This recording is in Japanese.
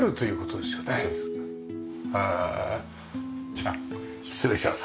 じゃあ失礼します。